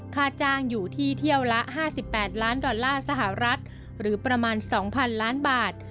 ค่าจ้างอยู่ที่เที่ยวละ๕๘ล้านดอลลาร์สหรัฐหรือประมาณ๒๐๐๐ล้านบาท